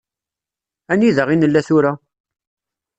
Anida i nella tura?